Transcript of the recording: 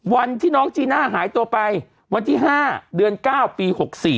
วันที่น้องจีน่าหายตัวไปวันที่๕เดือน๙ปี๖๔